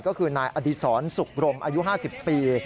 ก็คือนายอดีศรสุขรมอายุ๕๐ปี